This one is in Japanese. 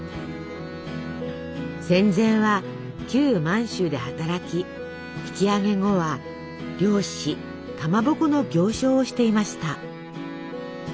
戦前は旧満州で働き引き揚げ後は漁師かまぼこの行商をしていました。